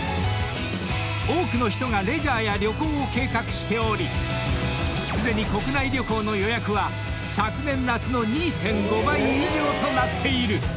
［多くの人がレジャーや旅行を計画しておりすでに国内旅行の予約は昨年夏の２．５倍以上となっている］